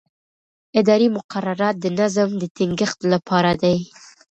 اداري مقررات د نظم د ټینګښت لپاره دي.